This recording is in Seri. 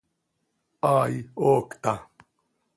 Aih, ¡hoocta!